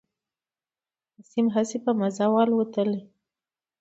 نسیم هسي په مزه و الوتلی.